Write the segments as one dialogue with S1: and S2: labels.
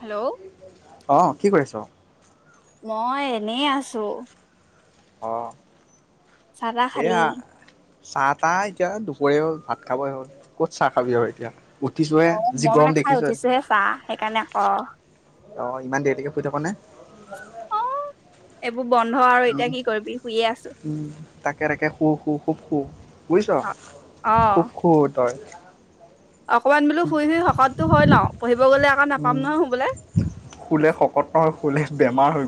S1: Hello
S2: অ কি কৰিছ।
S1: মই এনেই আছোঁ
S2: অ
S1: চাহ তাহ
S2: এয়া
S1: খালি
S2: চাহ তাহ এতিয়া দুপৰীয়াও ভাত খাবই হ'ল ক'ত চাহ খাবি আৰু এতিয়া উঠিছোহে
S1: অ
S2: যি
S1: মই
S2: গৰম
S1: মানে খাই
S2: দেখিছই
S1: উঠিছোহে চাহ সেইকাৰণে আকৌ।
S2: অ ইমান দেৰিলৈকে শুই থাক নে
S1: অ এইবোৰ বন্ধ আৰু
S2: উ
S1: এতিয়া কি কৰিবি শুইয়ে আছো
S2: উম তাকে তাকে খু খু খুব খু বুজিছ
S1: অ
S2: খুব খু তই
S1: অকমান বোলো শুই শুই শকতো হয় লও পঢ়িব গলে আকৌ নাপাম
S2: উম,
S1: নহয় শু বলে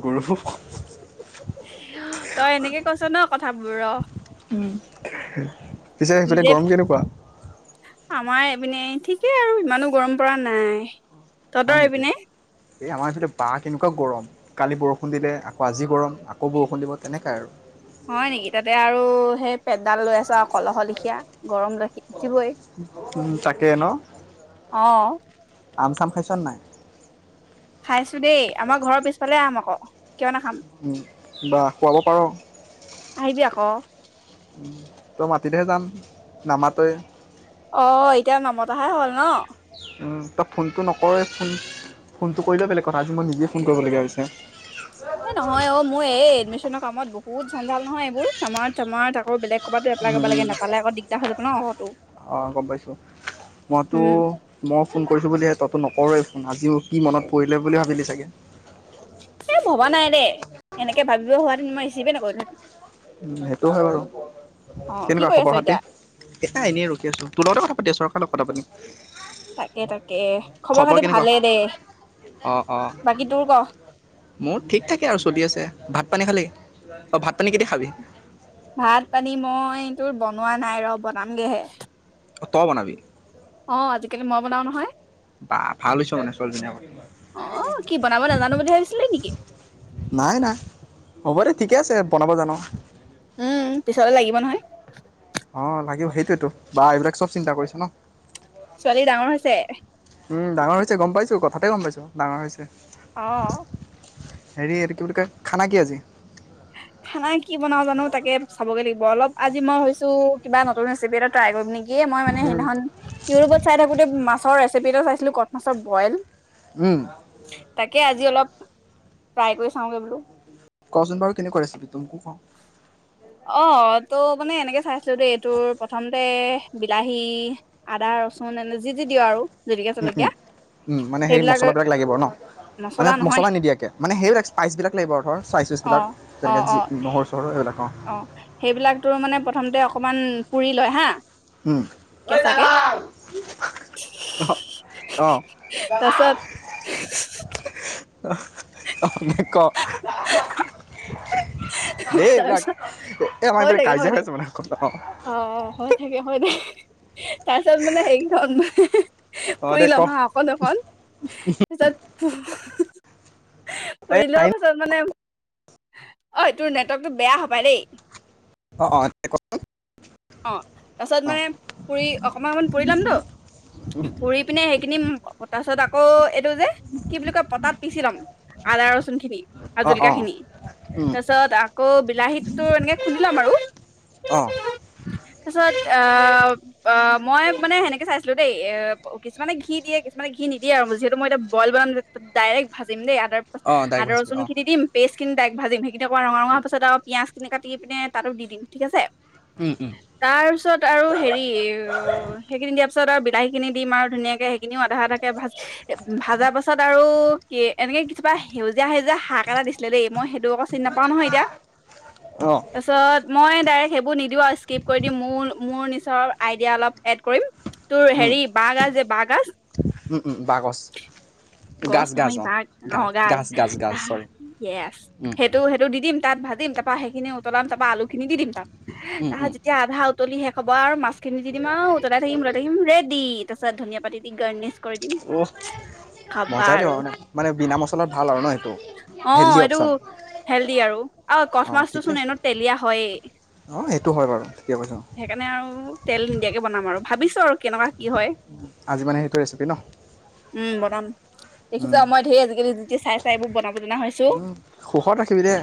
S2: গুৰো
S1: তই এনেকে কৈছ ন কথাবোৰ ৰ
S2: পিছে যতে
S1: নিজে
S2: গৰম কেনেকুৱা
S1: পিনে ঠিকেই আৰু ইমানো গৰম পৰা নাই
S2: হয়
S1: তহঁতৰ
S2: নেকি?
S1: এপিনে
S2: এই আমাৰ ইতে বাঁহ কেনেকুৱা গৰম কালি বৰষুণ দিলে আকৌ আজি গৰম আকৌ বৰষুণ দিব তেনেকাই আৰু
S1: হয় নেকি তাতে আৰু সেই পেটডাল লৈ আছো আৰু কলহ লিখীয়া গৰম লেখীয়া
S2: উ তাকে ন
S1: অঁ
S2: আমচাম খাইছো নে নাই
S1: খাইছো দেই আমাৰ ঘৰৰ পিছফালে আম আকৌ কিয় নাখাম
S2: বা খুৱাব পাৰোঁ
S1: আহিবি আকৌ।
S2: তই মাাটলেহে যাম নামাতই ।
S1: অ এতিয়া নামতাহাই হল ন
S2: তই ফোনটো নকৰে ফোন ফোনটো কৰিলেই বেলেগ কথা আজি মই নিজেই ফোন কৰিবলগীয়া হৈছে
S1: এ নহয় অ মোৰ এই এডমিশনৰ কামত বহুত বহুত চজাল নহয় এইবোৰ আমাৰ তমাৰ আকৌ বেলেগ ক'ৰবাতো এপ্লাই
S2: উ
S1: কৰিব লাগে নাপালে আকৌ দিগদাৰ হৈ যাব ন অহতো।
S2: অ গম পাইছো মইতো
S1: উম
S2: মই ফোন কৰিছো বুলিহ তইতো নকৰৱ আজিও কি মনত পৰিলে বুলি ভাবিলি চাগে
S1: এ ভবা নাই দেই এনেকে তে ভাবিব হোৱাে মই ৰেচিভ নকৰোহেঁ
S2: উ সেইটো হয় বাৰু
S1: অ কি
S2: কেনেকুৱা
S1: কৰি
S2: খবৰ
S1: আছ
S2: হাতে
S1: এতিয়া?
S2: এয়া এনেই ৰকি আছো তোৰ লগতে কথা পাতি আছ খ কথা পুনি
S1: তাকে তাকে
S2: খবৰ
S1: খাতি
S2: কেনেকুৱা
S1: ভালেই দে।
S2: অ অ
S1: বাকী তোৰ ক?
S2: মোৰ ঠিক থাকে আৰু চলি আছে ভাত ভাত পানী খালে অঁ ভাত পানী কেতিয়া খাবি
S1: ভাত পানী মই তোৰ বনোৱা নাই ৰ বনামগেহে
S2: ত' বনাবি
S1: অ আজিকালি মই বনাও নহয়
S2: বা ভালছো মানে ছোৱালীজন আ
S1: অ কি বনাব নাজানো বুলি ভাবিছিলি নেকি?
S2: নাই নাই হ'ব দেই ঠিকে আছে বনাব জানো
S1: উম পিছলে লাগিব নহয়
S2: অ লাগিব সেইটোয়েতো বা এইবিলাক চব চিন্তা কৰিছে ন
S1: ছোৱালী ডাঙৰ হৈছে
S2: ডাঙৰ হৈছে গম পাইছোঁ কথাতে গম পাইছোঁ ডাঙৰ হৈছে
S1: অ
S2: হেৰি কি বুলি কয় খানা কি আজি
S1: খানা কি বনাও জানো তাকে চাবগে লাগিব অলপ আজি মই হৈছো কিবা নতুন ৰেচিপি এটা ট্ৰাই কৰিম নেকি দিয়ে মই মানে
S2: উম
S1: সেইনাখন ইউটিউবত চাই থাকোতে মাছৰ ৰেচিপি এটা চাই আছিলো ক মাছৰ বইল
S2: উম
S1: তাকে আজি অলপ ট্ৰাই কৰি চাওঁগৈ বোলো
S2: কছোন বাৰু কেনেকুৱা ৰেচিপি তো কওঁ
S1: অ তো মানে এনেকে চাইছিলো দেই এইটোৰ প্ৰথমতে বিলাহী আদা ৰচুন এনে যি যি দিঅ আৰু জলকীয়া
S2: উম
S1: জলকীয়া
S2: উম মানে সেই
S1: সেইবিলাক
S2: মছলাবিলাক লাগিব ন মানে মছলা নিদিয়াকৈ মানে সেইবিলাক স্পাইচবিলাক লাগিব আৰু ধৰ চাইজ
S1: অ
S2: চুইচবিলাক
S1: অ
S2: যেনেকৈ
S1: অ
S2: যি নহৰু চহৰু এইবিলাক অ
S1: অ সেইবিলাক তো মানে প্ৰথমতে অকমান পুৰি লয় হা
S2: উম
S1: কেঁচাকে
S2: আহ আহ
S1: তাৰপিছত
S2: অ ক দেই এইবিলাক
S1: তাৰপিছত
S2: এ আমাৰ
S1: হৈ
S2: পিনে
S1: থাকে
S2: কাজিয়া হৈ
S1: থাকে
S2: আছে মানে গম নাপাওঁ
S1: গে তাৰ পিছত মানে হেৰিখন মানে
S2: অ'
S1: পুৰি
S2: দে ক
S1: ল'ম হাঁ অকন অকন তাৰপিছত হু হু
S2: এই
S1: পুৰি লোৱা পাছত মানে । হয় অ তোৰ নেটৱৰ্কতটো বেয়া হপায় দেই ।
S2: অ অ কওকচোন
S1: অ তাৰপিছত মানে পুৰি অকমান অকমান পুৰিলাম তু পুৰি পিনে সেইখিনি ত তাৰ পাছত আকৌ এইটো যে কি বুলি কয় পটাত পিচি ল'ম আদা ৰচুন খিনি
S2: অ' অ'
S1: জলকীয়া
S2: অ'
S1: খিনি
S2: উম
S1: তাৰপিছত আকৌ বিলাহীটোতো এনেকে খুন্দি লম আৰু
S2: অ'
S1: তাৰ পিছত আহ অ মই মানে সেনেকে চাইছিলো দেই এ কিছুমানে ঘি দিয়ে কিছুমানে ঘি নিদিয়ে আৰু যিহেতু মই এতিয়া বইল বনাম ডাইৰেক্ট ভাজিম দেই তাৰ পছত
S2: অ ডাইৰেক্ট
S1: আদা
S2: ভাজিবি
S1: ৰচুন
S2: অ
S1: খিনি দিম পেষ্ট । কিন দাইক ভাজিম সে তাৰপৰা ৰঙা ৰঙৰ পিছত আৰু পিয়াজ কিনি কাটি পিনে তাতো দি দিম ঠিক আছে
S2: উম উম
S1: তাৰ পিছত আৰু হেৰি অ সেইখিনি দিয়া ত পিছত আৰু বিলাহী খিনি দিম আৰু ধুনীয়াকে সেইখিনিও আধা আধাকে ভাজ ভাজা পাছত আৰু কি এনেকে কছিবা সেউজীয়া সেউজীয়া শাক এটা দিছিলে দেই মই ত আকৌ চিনি নাপাও নহয় এতিয়া
S2: অ
S1: তাৰপিছত মই ডাইক সেইবোৰ নি দিওঁ আৰু স্কিপ কৰি দি মোৰ মোৰ নিচৰ আইডিয়া অলপ এড কৰিম তোৰ
S2: উম
S1: হেৰি বাঁহগাজ যে বাঁহগাজ
S2: উম উম বাকচ
S1: গছ
S2: গাজ গাজ
S1: নহয়
S2: অ
S1: বা
S2: গাজ
S1: নহগাজ
S2: গাজ গাজ গাজ
S1: আ
S2: চৰি
S1: ইয়েছ
S2: উম
S1: সেইটো সেইটো দি দিম তাত ভাজিম তাৰাপা সেইখিনি উতলাম তাৰাপা আলুখিনি দি দিম তাত।
S2: উম
S1: টাৰপা
S2: উম
S1: যেতিয়া আধা । উতলি শেষ হ'ব আৰু মাছখিনি দি দিম আও উতলাই থাকিম উতলাই থাকিম ৰেডি তাৰপিছত ধনিয়া পাত দি গাৰ্নি। দিম
S2: অহ
S1: খাবা
S2: মজাই দিব
S1: আৰু
S2: মানে মানে বিনা মছলাত ভাল আৰু ন সেইটো
S1: অ
S2: হেল্ডি
S1: এইটো
S2: অপচন
S1: হেলডি আৰু আৰু কঠ
S2: অ
S1: মাছটো
S2: ঠিকে
S1: চোন এ তেলীয়া হয়েই
S2: টো হয় বাৰু ঠিকে কৈছ অঁ
S1: সেইকাৰণে আৰু তেল নিদিয়াকে বনাম আৰু ভাবিছো আৰু কেনেকুৱা কি হয়।
S2: আজি মানে সেইটো ৰেচিপি ন।
S1: উম বনাম। দেখিছ
S2: উম
S1: মই ধেই আজি কালি চাই চাই এইবোৰ বনাব জনা হৈছো।
S2: উম সুখত ৰাখিবি দেই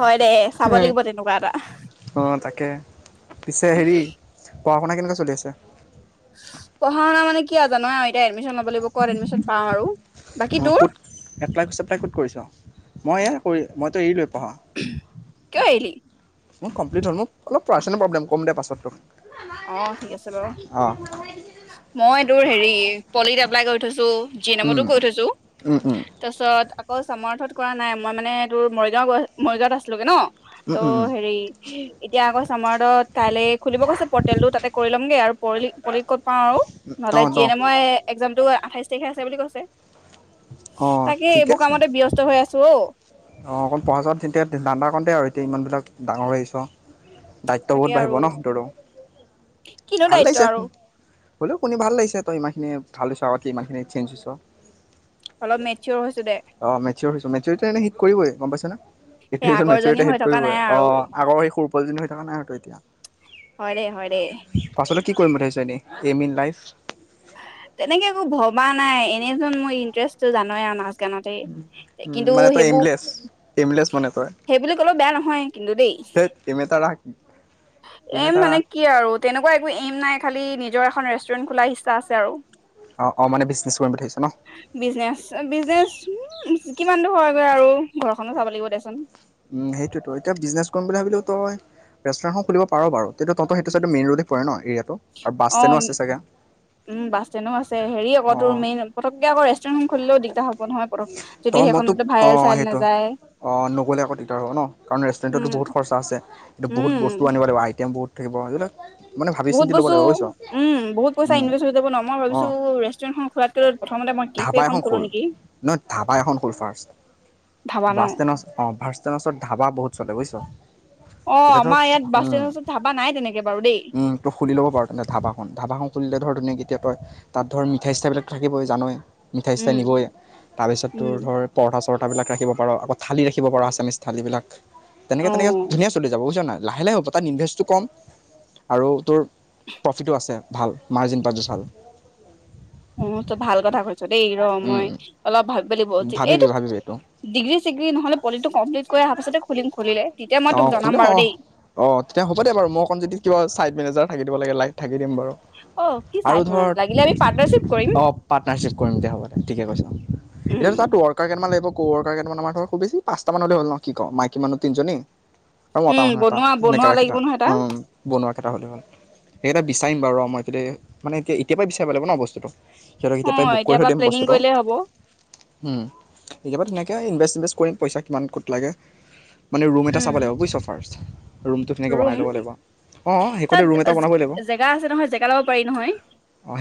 S1: হয় দে চাব লাগিব তেনেকুৱা এটা।
S2: অ তাকে পিছে হেৰি। পঢ়া শুনা কেনেকুৱৈ চলি আছে?
S1: পঢ়া শুনা মানে কি আ জানয় আ এতিয়া এডমিশ্যন ল'ব লাগিব ক'ত এডমিশ্যন পাওঁ আৰু। বাকী
S2: অঁ
S1: তোৰ
S2: ক'ত এপ্লাই কৰিছোঁ এপ্লাই ক'ত কৰিছোঁ মই এই। হয় মই এৰিলোৱৈ। ৱাহ।
S1: কিয় এৰিলি?
S2: মোৰ কমপিলিত হ'ল মোক অলপ পাৰ্চনেল প্ৰবলেম কম দে পাছত তোক।
S1: অ ঠিক আছে বাৰু
S2: অ
S1: মই। তোৰ হেৰি, পলিত এপ্লাই কৰি থৈছো। জিয়ে নামতো
S2: উম
S1: কৈ থৈছো
S2: উম উম
S1: তাৰপিছত। অ' চমৰ আৰ্থত কৰা নাই মই মানে তোৰ মৰিগাঁও, মৰিগাঁৱত আছিলোগে ন।
S2: উম উম উম
S1: ত' হেৰি। এতিয়া আকৌ চামাৰডত কাইলৈ খুলিব কৈছে। পৰ্টেলটো তাতে কৰি ল'মগে আৰু পল পলিত ক'ত পাওঁ আৰু। নহলে
S2: অ ত
S1: জিয়ে নেমই একজাম টো। আঠাইছ তাৰিখে আছে বুলি কৈছে।
S2: অ
S1: তাকে এইবোৰ কামতে ব্যস্ত হৈ আছো অ।
S2: অঁ অকণ পঢ়া চাত তেয়া ধান্দা কণতেই আৰু এতিয়া ইমানবিলাক ডাঙৰ হৈ আহিছ। দায়িত্ব
S1: তাকে
S2: বহুত
S1: আৰু
S2: বাঢ়িব ন, তহতো
S1: কিনো
S2: ভাল
S1: দায়িত্ব
S2: লাগিছে।
S1: আৰু
S2: হ'লেও কোনে ভাল লাগিছে তই ইমানখিনি ভাল হৈছ আগতে ইমানখিনি চেঞ্জছ হৈছ।
S1: অলপ মেচিয়ৰ হৈছো দে।
S2: চিয়ৰ হৈছোঁ মেচিয়ৰ টো এনেই সি । কৰিবই গম পাইছনে নাই?
S1: সেই
S2: এইটোৱে চোন
S1: আগৰজনী
S2: মেচিয়ৰতে
S1: হৈ
S2: থেদ
S1: থকা
S2: কৰিবই
S1: নাই
S2: অ
S1: আৰু
S2: আগৰ সেই সৰু পোৱালি জনী হৈ থকা নাই ত এতিয়া,
S1: হয় দেই হয় দেই
S2: পাছলৈ । কি কৰিম পঠাইছা এনেই, এইম ইন লাইফ।
S1: তেনেকে একো ভবা নাই এনে চোন মোৰ ইন্টাৰেষ্টটো জানোৱেই আৰু নাচ গানতেই।
S2: উম
S1: কিন্তু
S2: মানে তই
S1: সেইবোৰ
S2: এইমলেছ এইমলেছ মানে তই
S1: সেইবুলি কলেও বেয়া নহয় কিন্তু দেই।
S2: ধেত এইম এটা ৰাখ এইম
S1: এম
S2: এটা
S1: মানে
S2: ৰাখ
S1: কি আৰু তেনেকুৱা একো এম নাই। খালি নিজৰ এখন ৰেষ্টুৰেণ্ট খোলাৰ ইচ্ছা আছে আৰু।
S2: অঁ অঁ মানে বিজনেছ কৰিম পঠিছে ন।
S1: উম কিমান দূৰ হয়গৈ আৰু ঘৰখনো চাব লাগিব দেচোন।
S2: উম সেইটো‌ৱৈত এতিয়া বিজনেছ কৰিম বুলি ভাবিলো তই ৰেষ্টুৰেট খন খুলিব পাৰ বাৰু কিন্তু তহঁত সেইটো চাইত মেইন ৰোডত পৰে। ন এৰিয়াটো আৰু বাছ
S1: অ
S2: ষ্টেণ্ডো আছে চাগে
S1: উম বাছ ষ্টেণ্ডো আছে হেৰি আকৌ তোৰ
S2: অঁ
S1: মেইন পটককে আকৌ ৰেষ্টুৰেণ্টখন খুলিলেও দিগদাৰ হ'ব নহয় পক যদি
S2: তই মই
S1: সেইখন
S2: তোক
S1: বোলে ভাইল
S2: অঁ
S1: চাইল
S2: সেইটো
S1: নাযায়
S2: অঁ নগ'লে আকৌ ন কাৰণ ৰেষ্টুৰেণ্টত বহু
S1: উম
S2: খৰচা আছে এইন্ত বু বস্তু
S1: উম
S2: আনিব লাগিব আহ এতিয়াম বহুত থাকিব য এইিবিলাক
S1: বহুত বস্তু উম বহুত পইচা
S2: উম
S1: ইনভেষ্ট হৈ যাব ন মই ভাবিছো
S2: অঁ
S1: ৰেষ্টুৰেন্টখন খোলাতকৈ প্ৰথমতে মই
S2: ধাবা
S1: কেফে এখন কলো
S2: খোল
S1: নেকি
S2: নহয় ধাবা এখন খোল ফাৰ্ষ্ট
S1: ধাবা ন
S2: হাবা বহুত চলে বুজিছ
S1: অ
S2: এতিয়া ধৰ
S1: আমাৰ ইয়াত বাছ
S2: উম
S1: ষ্টেণ্ডৰ ওচৰত ধাবা নাই তেনেকে বাৰু দেই
S2: উম ত খুলি ল'ব পাৰ তেনে ধাবাখনন ধাবাখন খুলিলে ধৰ ধুন এতিয়া তই তাত ধৰ মিঠাই চিঠাইবিলাক থাকিবই জানই। মিঠাই চিঠাই
S1: উম
S2: নিবই। তাৰপিছত, তোৰ
S1: উম
S2: ধৰ পৰঠা পৰঠাবিলাক ৰাখিব পাৰ। আকৌ, থালি ৰাখিব পাৰ আছামিছ। থালিবিলাক তেনেকে
S1: অ
S2: তেনেকে ধুনীয়া চলি যাব বুজিছ নাই। লাহে লাহে হ'ব। তাত ইনভেষ্টটো কম আৰু তোৰ প্ৰফিটো আছে ভাল। [unintelligible]
S1: অ'! তই ভাল কথা কৈছ দেই! ৰ' মই অলপ ভাল এই
S2: ভাবিবি ভাবিবি এইটো
S1: ডিগ্ৰী চিগ্ৰী নহ'লে, পলিটো কমপ্লিট কৰি অহা পাছতে খুলিম খুলিলে, তেতিয়া মই
S2: অঁ
S1: তোক
S2: খোলে
S1: জনাম বাৰু
S2: অঁ
S1: দেই।
S2: অঁ তেতিয়া হ'ব দে বাৰু মই অকণ যদি কিবা ছাইড [unintelligible] দিম বাৰু
S1: অ কি চাৰে
S2: আৰু
S1: তিন মানত
S2: ধৰ
S1: লাগিলে আমি পাৰ্টনাৰশ্বিপ কৰিম
S2: অ'! পাৰ্টনাৰশ্বিপ কৰিম তেতিয়া হ'ব দে ঠিকে কৈছ। এতিয়া
S1: উম
S2: তাত ৱৰ্কৰ কেনে [unintelligible] পাঁচটা মানহ'লে হল ন'। কি ক'! মাইকী মানুহ তিনজনী। আৰু মতা
S1: উম
S2: মানুহ এটা,
S1: বনোৱা
S2: এনেকা
S1: বনোৱা
S2: ৰাখিলে
S1: লাগিব নহয় এটা
S2: উম! বনোৱা কেইটা হ'লে হ'ল। এটা বিচাৰিম বাৰু ৰ'। মই মানে, এতিয়াৰ পৰাই বিচাৰিব লাগিব ন' বস্তুটো। সিহঁতক এতিয়াৰ পৰাই
S1: অ'!
S2: বুক কৰি
S1: এতিয়া
S2: থৈ
S1: পৰা
S2: দিম
S1: প্লেনিং
S2: বস্তুটো
S1: কৰিলেই হ'ব।
S2: উম! কেতিয়াবা তেনেকে ইনভেষ্ট চিনভেষ্ট কৰিম পইচা কিমান, ক'ত লাগে। মানে ৰুম এটা চাব
S1: উম
S2: লাগিব বুইছ ফাৰ্ষ্ট। ৰুমটো বনাই
S1: ৰুম
S2: ল'ব লাগিব। অ'! সেই
S1: তাত
S2: ৰুম এটা বনাব লাগিব। অ'!
S1: জেগা আছে নহয় জেগা ল'ব পাৰি নহয়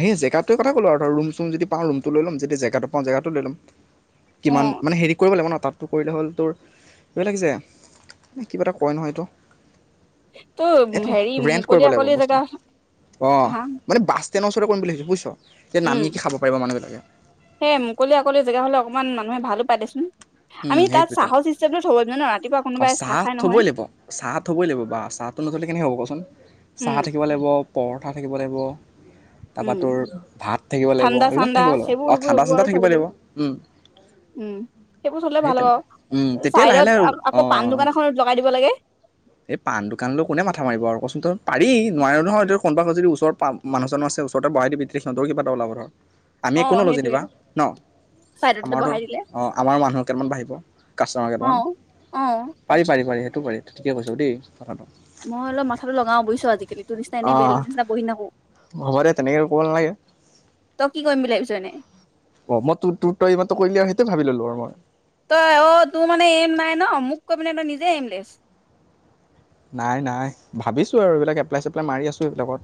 S2: সেই জেগাটোৰ কথা ক'লো আৰু ৰুম চোম যদি পাওঁ, ৰুমটো লয় ল'ম যদি জেগাটো পাওঁ, জেগাটো লয় ল'ম।
S1: অ
S2: কিমান মানে, হেৰি কৰিব লাগিব ন' তাত। কৰিলে হ'ল তোৰ! এইবিলাক যে কিবা এটা কয় নহয় এইটো।
S1: ত' হেৰি
S2: এইটো ৰেন্ট
S1: মুকলি
S2: কৰিব লাগিব
S1: আকলি জেগা
S2: বস্তুটো। অ'!
S1: হা
S2: মানে, বাছ ষ্টেণ্ডৰ ওচৰতে কৰিম বুলি ভাবিছোঁ বুজিছ। তেতিয়া
S1: উম
S2: নামিয়ে কি খাব পাৰিব মানুহবিলাকে।
S1: সেই মুকলি আকলি জেগা হ'লে অকমান মানুহে ভালো পায় দেচোন।
S2: উম,
S1: আমি তাত
S2: সেইটোতো।
S1: চাহৰ চিষ্টেমটো থব লাগিব ন ৰাতিপুৱা
S2: অ'!
S1: কোনোবাই
S2: চাহ
S1: খাই
S2: থবই
S1: নহয়
S2: লাগিব চাহ থবই লাগিব বা চাহটো নথলে কেনেকৈ হ'ব কচোন চাহ
S1: উম
S2: থাকিব লাগিব। পৰঠা থাকিব লাগিব। তাৰাপা
S1: উম
S2: তোৰ ভাত থাকিব লাগিব,
S1: ঠাণ্ডা
S2: এইবিলাক
S1: চাণ্ডা
S2: থাকিব লাগিব।
S1: সেইবোৰ
S2: অ'!
S1: সেইবোৰ
S2: ঠাণ্ডা
S1: সেইবোৰ
S2: চাণ্ডা
S1: আৰু
S2: থাকিব
S1: থব
S2: লাগিব। উম!
S1: উম সেইবোৰ থলে
S2: সেই
S1: ভাল
S2: তেতিয়া
S1: হ'ব
S2: উ, তেতিয়াই লাহে
S1: চাইডত
S2: লাহে আৰু
S1: আকৌ পাণ
S2: অ'!
S1: দোকান এখন লগাই দিব লাগে
S2: এই পাণ দোকানলৈ কোনে মাথা মাৰিব আৰু কচোন ত পাৰি নোৱাৰ নহয়। কোনবা এখন যদি ওচৰ মানুহ আছে ওচৰ বহায় দিবি সিহঁতৰ কিবা ওলাব ধৰ। আমি
S1: অ
S2: একো নলওঁ
S1: সেইটোৱে
S2: যেনিবা ন'?
S1: চাইডতে
S2: আমাৰতো
S1: বহাই দিলে
S2: অ'! আমাৰ মানুহ বাঢ়িব কাষ্টমাৰ
S1: অ
S2: কেইটামান
S1: অ
S2: [unintelligible] সেইটো পাৰি, সেইটো পাৰি ঠিকে কৈছ দেই। কথাটো
S1: মই অলপ মাথাটো লগাওঁ বুজিছ আজিকালি। তোৰ নিচিনা
S2: অ
S1: এনেই বেল নিচিনা বহি নাথাকোঁ,
S2: হ'ব দে তেনেকে ক'ব নালাগে
S1: তই কি কৰিম বুলি ভাবিছ এনে?
S2: অ মই তোৰ তোৰ তই ই কৰিলি আও সেইটোয়ে ভাবি ললো আৰু মই
S1: তই অ তোৰ মানে এম নাই ন মোক কৈ পিনে তই নিজে এম লৈচ
S2: নাই নাই ভাবিছোঁ আৰু এইবিলাক এপ্লাই চপ্লাই মাৰি আছোঁ, এইবিলাকত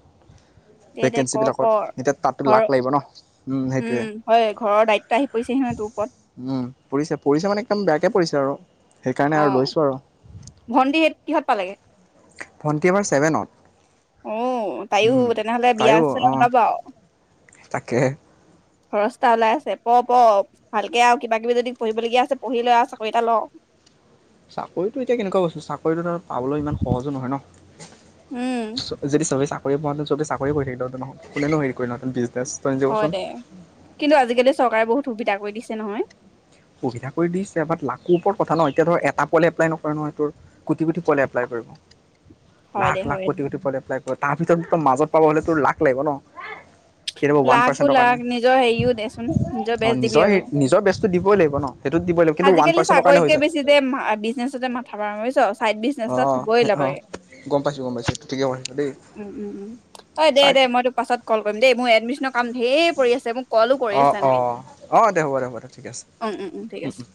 S1: দে দে
S2: ভকেঞ্চি
S1: কৰ
S2: বিলাকত
S1: কৰ
S2: এতিয়া তাতো
S1: ঘৰৰ
S2: লাক লাগিব ন। উম সেইটোৱে,
S1: হয় ঘৰৰ দায়িত্ব আহি পৰিছেহি নহয় তোৰ ওপৰত
S2: উম, পৰিছে পৰিছে মানে একদম বেয়াকে পৰিছে আৰু সেইকাৰণে
S1: অ
S2: আৰু লৈছোঁ আৰু
S1: ভণ্টি কিহত পালেগে?
S2: ভণ্টি এইবাৰ ছেভেনত।
S1: আহ তাইও,
S2: উম
S1: তেনেহলে বিয়া
S2: তাইও
S1: চিয়া
S2: অ
S1: ওলাব আও।
S2: তাকে
S1: খৰচটা ওলাই আছে, প প ভালকে আৰু কিবা কিবি যদি পঢ়িবলগীয়া আছে পঢ়ি লৈ আৰু চাকৰি এটা লওঁ।
S2: চাকৰিতটো এতিয়া কেনেকুৱা বস্তু চাকৰিটো পাবলৈ ইমান সহজো নহয় ন
S1: উম
S2: যদি চবেই চাক চাকৰি পোৱা হেতেন চবেই চাকৰি কৰি থাকিলে দহ দহ নহ কোনে হেৰি কৰি নতুন বিজ
S1: হয় দে কিন্তু আজিকালি চৰকাৰে বহুত সুবিধা কৰি দিছ নহয়।
S2: সুবিধা কৰি দিছে বাট লাকৰ ওপৰত কথা ন। এতিয়া ধৰ এটা পোৱালিয়ে এপ্লাই নকৰে নহয়, কোটি কোটি পোৱালিয়ে এপ্লাই কৰিব।
S1: হয় দে
S2: লাখ
S1: হয়
S2: লাখ কোটি কোটি পোৱালিয়ে এপ্লাই কৰে, তাৰ ভিতৰত ত মাজত পাব হ'লে তোৰ লাক লাগিব ন কেতিয়াবা ওৱান
S1: লাকো
S2: পাৰ্চেণ্টৰ কাৰণে
S1: লাক, নিজৰ হেৰিও দেচোন নিজৰ বেজ দিবি আৰু।
S2: দিব লাগ। ব ন সেইটোত দিবই লাগিব কিন্তু ওৱান
S1: আজিকালি
S2: পাৰ্চেণ্টৰ কাৰণে হৈ
S1: চাকৰিতকে
S2: যায়
S1: বেছি যে বিজনে মাথা বুজিছ চাইট বিজনেছ
S2: অ
S1: টা থবই
S2: অ
S1: লাগে।
S2: গম পাইছোঁ গম পাইছোঁ ঠিকে কৈছ দেই
S1: উম উম উম, দে
S2: চাই
S1: দে মই তোক পাছত কল কৰিম দেই মোৰ এডমিছনৰ কাম ধেৰ পৰি আছে মোক
S2: অ অ অ দে হ'ব দে হ'ব দে ঠিক আছে
S1: উম ঠিক
S2: উম উম
S1: আছে
S2: উম